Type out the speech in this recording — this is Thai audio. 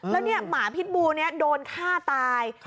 แล้วเนี่ยหมาพิษบูนี้โดนฆ่าตาย